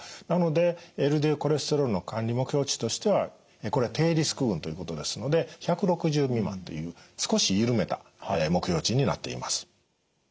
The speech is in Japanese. なのでＬＤＬコレステロールの管理目標値としてはこれ低リスク群ということですので１６０未満という少し緩めた目標値になっています。